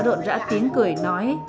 rộn rã tiếng cười nói